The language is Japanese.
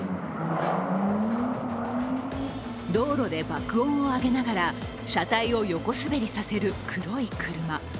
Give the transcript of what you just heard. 道路で爆音を上げながら車体を横滑りさせる黒い車。